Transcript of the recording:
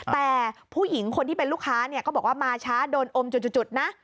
แต่ผู้หญิงคนที่เป็นลูกค้าเนี่ยก็บอกว่ามาช้าโดนอมจุดนะ